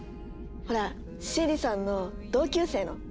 ほらシエリさんの同級生の。